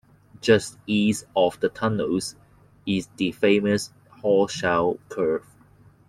Just east of the tunnels is the famous Horseshoe Curve.